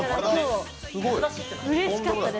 うれしかったです。